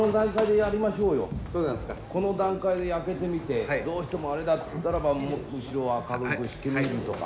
この段階で開けてみてどうしてもあれだって言ったらば後ろを明るくしてみるとか。